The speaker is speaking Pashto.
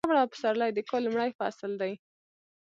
پسرلی د کال لومړی فصل دی